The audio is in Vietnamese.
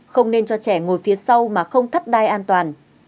không nên cho trẻ ngồi phía sau mà không thắt đai an toàn